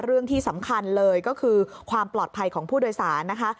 เรื่องที่สำคัญเลยก็คือความปลอดภัยของผู้โดยสารนะคะ